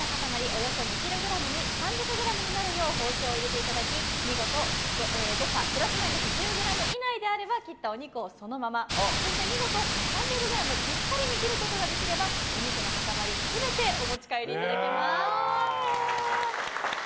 およそ２ｋｇに３００ｇになるよう包丁を入れていただき見事、誤差プラスマイナス１０ｇ以内であれば切ったお肉をそのままそして見事３００ｇピッタリに切ることができればお肉の塊全てお持ち帰りいただけます。